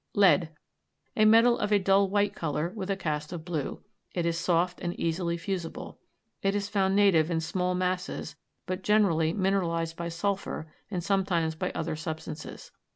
LEAD. A metal of a dull white color, with a cast of blue. It is soft and easily fusible. It is found native in small masses, but generally mineralized by sulphur and sometimes by other substances.